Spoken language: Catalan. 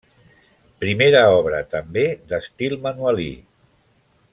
Primera obra, també, d'estil manuelí.